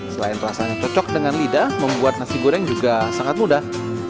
selain rasanya cocok dengan lidah membuat nasi goreng juga sangat mudah